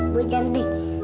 bu jangan bu